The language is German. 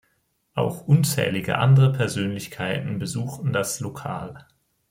Auch unzählige andere Persönlichkeiten besuchten das Lokal.